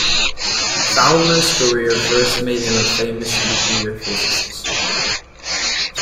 Fowler's career first made him a famous nuclear physicist.